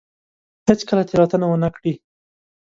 هېڅ کله تېروتنه ونه کړي.